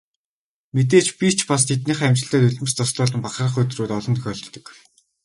Мэдээж би ч бас тэднийхээ амжилтаар нулимс дуслуулан бахархах өдрүүд олон тохиолддог.